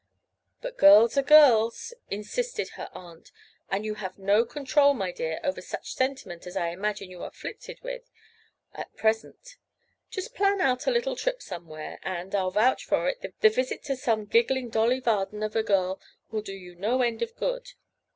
"But girls are girls," insisted her aunt, "and you have no control, my dear, over such sentiment as I imagine you are afflicted with at present. Just plan out a little trip somewhere and, I'll vouch for it, the visit to some giggling Dolly Varden of a girl will do you no end of good.